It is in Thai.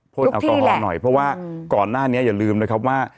แอลกอฮอล์หน่อยเพราะว่าก่อนหน้านี้อย่าลืมนะครับว่า